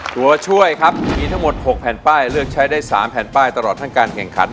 ตัวช่วยครับมีทั้งหมด๖แผ่นป้ายเลือกใช้ได้๓แผ่นป้ายตลอดทั้งการแข่งขัน